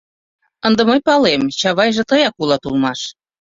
— Ынде мый палем: Чавайже тыяк улат улмаш!